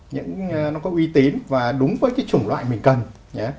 những nó có uy tín và đúng với cái chủng loại mình cần